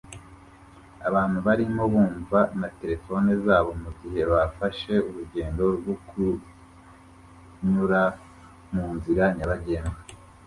Abantu barimo bumva na terefone zabo mugihe bafashe urugendo rwo kunyura munzira nyabagendwa